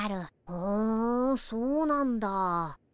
ふんそうなんだ。